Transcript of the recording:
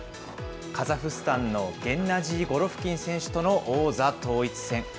カザフスタンのゲンナジー・ゴロフキン選手との王座統一戦。